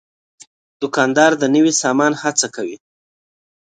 دوکاندار د نوي سامان هڅه کوي.